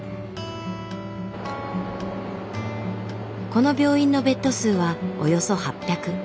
この病院のベッド数はおよそ８００。